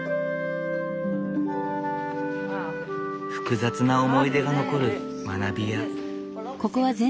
複雑な思い出が残る学びや。